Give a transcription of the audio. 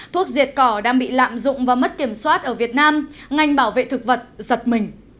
thuốc diệt cỏ đang bị lạm dụng và mất kiểm soát ở việt nam ngành bảo vệ thực vật giật mình